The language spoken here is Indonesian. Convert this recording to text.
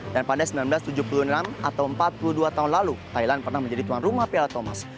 dan pada seribu sembilan ratus tujuh puluh enam atau empat puluh dua tahun lalu thailand pernah menjadi tuan rumah piala thomas